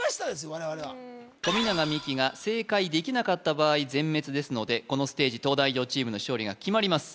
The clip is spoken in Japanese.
我々は富永美樹が正解できなかった場合全滅ですのでこのステージ東大王チームの勝利が決まります